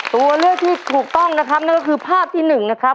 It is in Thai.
ตัวเลือกที่ถูกต้องนะครับนั่นก็คือภาพที่หนึ่งนะครับ